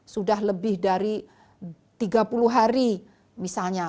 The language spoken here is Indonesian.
sudah lebih dari tiga puluh hari misalnya